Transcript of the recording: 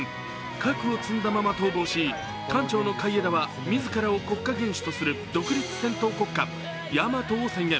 核を積んだまま逃亡し艦長の海江田は自らを国家元首とする独立戦闘国家・やまとを宣言。